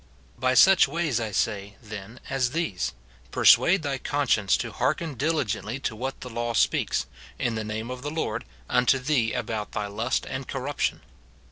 By such ways, I say, then, as these, persuade thy con science to hearken diligently to what the law speaks, in the name of the Lord, unto thee about thy lust and cor ruption.